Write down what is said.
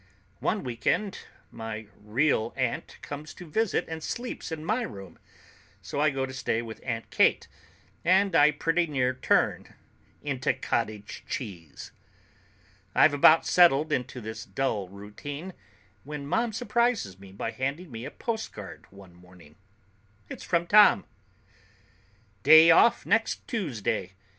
One weekend my real aunt comes to visit and sleeps in my room, so I go to stay with Aunt Kate, and I pretty near turn into cottage cheese. I've about settled into this dull routine when Mom surprises me by handing me a postcard one morning. It's from Tom: "Day off next Tuesday.